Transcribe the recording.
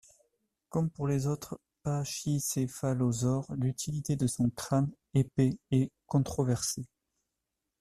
Comme pour les autres pachycéphalosaures, l'utilité de son crâne épais est controversée.